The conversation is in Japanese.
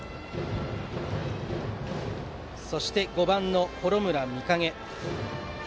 そして５番、幌村魅影。